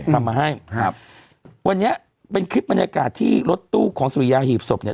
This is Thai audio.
ทำให้ครับวันนี้เป็นคลิปบรรยากาศที่รถตู้ของสุริยาหีบศพเนี่ย